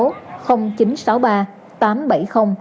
để nhận thông tin các trường hợp cần giúp đỡ